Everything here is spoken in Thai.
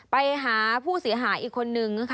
ไปหาผู้เสียหายอีกคนนึง